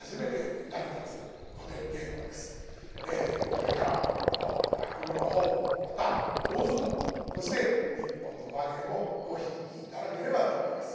これからも落語のほうまた大相撲もそして「日本の話芸」もごひいき頂ければと思います。